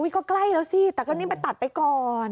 ก็ใกล้แล้วสิแต่ก็นี่มันตัดไปก่อน